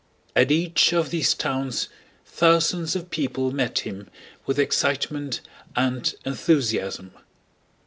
At each of these towns thousands of people met him with excitement and enthusiasm.